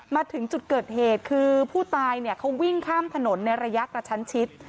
มาถึงจุดเกิดเหตุคือผู้ตายเนี่ยเขาวิ่งข้ามถนนในระยะกระชั้นชิด